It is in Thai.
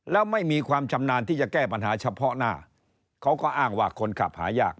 แล้วไม่มีความชำนาญที่จะแก้ปัญหาเฉพาะหน้าเขาก็อ้างว่าคนขับหายาก